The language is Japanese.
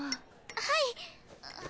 はい！